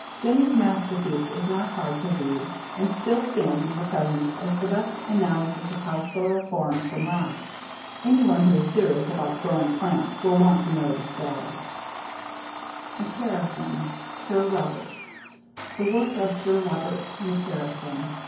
Jenny's masterpiece is not hard to read and still stands in the present as the best analysis of how soil forms from rock. Anyone who is serious about growing plants will want to know this data. McCarrison, Sir Robert. _The Work of Sir Robert McCarrison.